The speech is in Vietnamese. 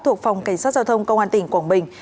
thuộc phòng cảnh sát giao thông công an tỉnh quảng bình